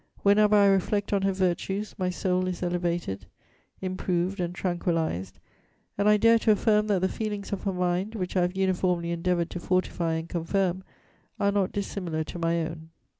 Whenever I reflect on her virtues, my soul is elevated, improved and tranquillized, and I dare to affirm that the feelings of her mind, which I have uniformly endeavoured to fortify and confirm, are not dissimilar to my own."